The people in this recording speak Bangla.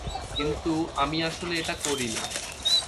কিন্তু আমি আসলে এটা করি না।